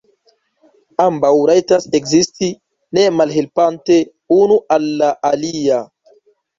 Ambaŭ rajtas ekzisti, ne malhelpante unu al la alia.